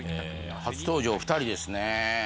初登場２人ですね。